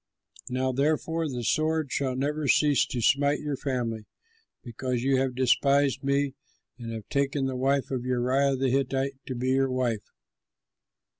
Now, therefore, the sword shall never cease to smite your family, because you have despised me and have taken the wife of Uriah the Hittite to be your wife.'"